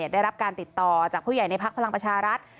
ได้รับการติดต่อจากผู้ใหญ่ในพักพลังประชารัฐ